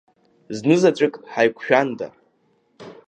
Знызаҵәык ҳаиқәшәанда!